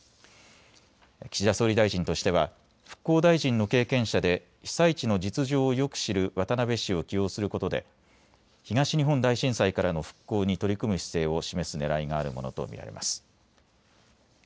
岸田総理大臣としては復興大臣の経験者で被災地の実情をよく知る渡辺氏を起用することで東日本大震災からの復興に取り組む姿勢を示すねらいがあるものと見られます。